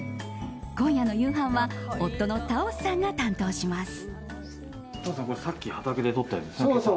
今夜の夕飯は夫のタオスさんが担当します。